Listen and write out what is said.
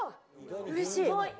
うれしい！